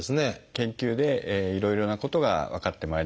研究でいろいろなことが分かってまいりました。